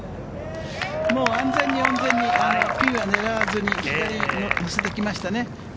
安全に安全に、ピンは狙わずに、左に乗せてきましたね。